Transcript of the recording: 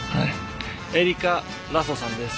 エリカ・ラソさんです。